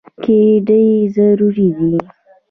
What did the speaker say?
ګېډې ضروري دي.